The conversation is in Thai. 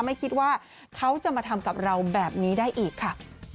ไม่คิดว่าเขาจะมาทำกับเราแบบนี้ได้อีกค่ะ